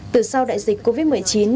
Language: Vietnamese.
từ sau đại dịch covid một mươi chín